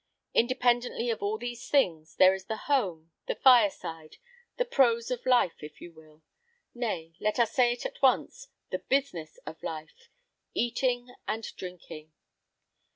Independently of all these things, there is the home, the fire side, the prose of life, if you will; nay, let us say it at once, the business of life eating and drinking.